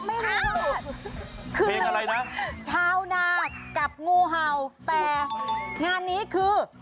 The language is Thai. ไม่รู้หรอกคือชาวนากับงูเห่าแต่งานนี้คือ